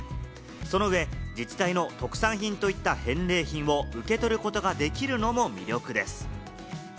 その上、自治体の特産品といった返礼品を受け取ることができるのも魅力です。